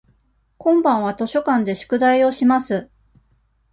今晩は図書館で宿題をします。